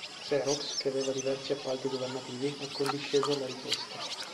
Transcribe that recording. Xerox, che aveva diversi appalti governativi, accondiscese alla richiesta.